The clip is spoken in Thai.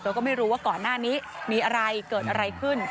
ก็ไม่รู้ว่าก่อนหน้านี้มีอะไรเกิดอะไรขึ้น